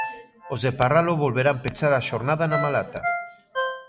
Os de Parralo volverán pechar a xornada na Malata.